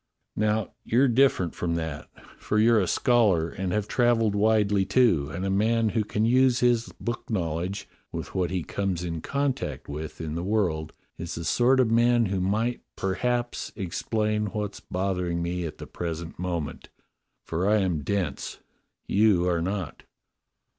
Now you're different from that, for you're a scholar and have travelled widely, too, and a man who can use his book knowledge with what he comes in contact with in the world is the sort of man who might perhaps explain what's bothering me at the present moment, for I am dense; you are not."